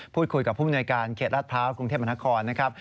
พูดคุยกับผู้หน่วยการเขตรัฐพร้าวกรุงเทพมนตราคอนนะครับ